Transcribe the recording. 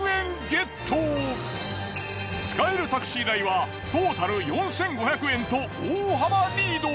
使えるタクシー代はトータル４，５００円と大幅リード。